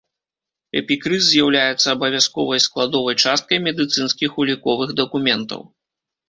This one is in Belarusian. Эпікрыз з'яўляецца абавязковай складовай часткай медыцынскіх уліковых дакументаў.